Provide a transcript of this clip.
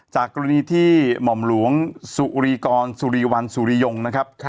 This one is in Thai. จากกรณีที่หม่อมหลวงสุรีกรสุรีวันสุริยงนะครับ